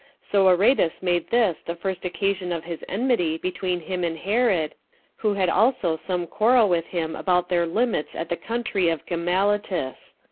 So Aretas made this the first occasion of his enmity between him and Herod, who had also some quarrel with him about their limits at the country of Gamalitis.